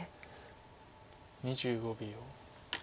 ２５秒。